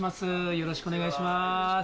よろしくお願いします。